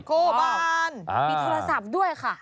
โกบานมีโทรศัพท์ด้วยค่ะ